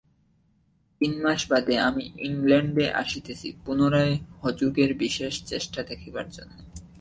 তিনমাস বাদে আমি ইংলণ্ডে আসিতেছি, পুনরায় হজুগের বিশেষ চেষ্টা দেখিবার জন্য।